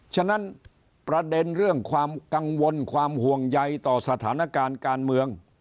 ฉะนั้นประเด็นเรื่องความกังวลความห่วงใยต่อสถานการณ์การเมือง